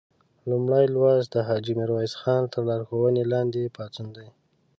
لومړی لوست د حاجي میرویس خان تر لارښوونې لاندې پاڅون دی.